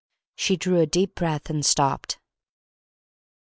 She drew a deep breath and stopped.